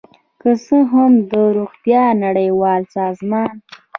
که څه هم د روغتیا نړیوال سازمان